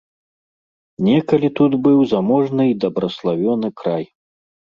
Некалі тут быў заможны й дабраславёны край.